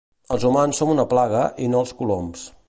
Els humans som una plaga i no els coloms